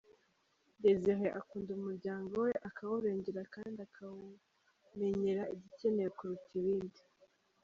Désiré akunda umuryango we, akawurengera kandi akawumenyera igikenewe kuruta ibindi.